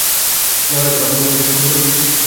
যাওয়ার আগে বাথরুমে গেলে কিছু মনে করবে?